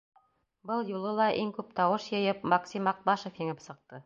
Был юлы ла, иң күп тауыш йыйып, Максим Аҡбашев еңеп сыҡты.